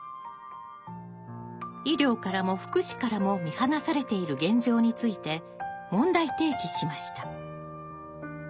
医療からも福祉からも見放されている現状について問題提起しました。